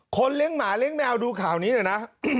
เลี้ยงหมาเลี้ยแมวดูข่าวนี้หน่อยนะ